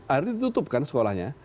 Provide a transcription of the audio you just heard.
akhirnya ditutupkan sekolahnya